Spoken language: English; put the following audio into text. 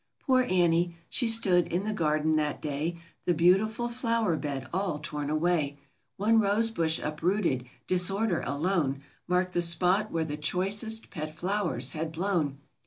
Poor Annie ! she stood in the garden that day, The beautiful flower bed all 'torn away; 58 ANNIE'S TEMPTATION. One rose bush uprooted — disorder alone Marked the spot where the choicest pet flowers had blown.